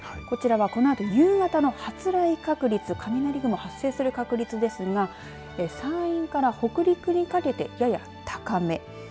こちらは、このあと夕方の発雷確率雷雲、発生する確率ですが山陰から北陸にかけてやや高め。